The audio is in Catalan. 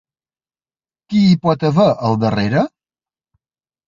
Qui hi pot haver al darrere?